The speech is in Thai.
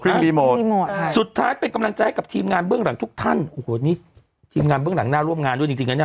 รีโมทรีโมทค่ะสุดท้ายเป็นกำลังใจให้กับทีมงานเบื้องหลังทุกท่านโอ้โหนี่ทีมงานเบื้องหลังหน้าร่วมงานด้วยจริงจริงนะเนี่ย